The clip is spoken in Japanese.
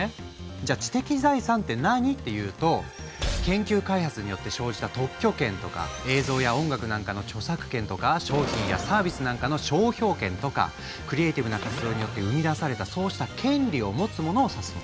じゃあ知的財産って何？っていうと研究開発によって生じた映像や音楽なんかの商品やサービスなんかのクリエイティブな活動によって生み出されたそうした権利を持つものを指すの。